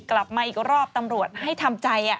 กลับมาอีกรอบตำรวจให้ทำใจ